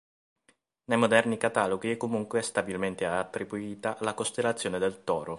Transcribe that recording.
Nei moderni cataloghi è comunque stabilmente attribuita alla costellazione del Toro.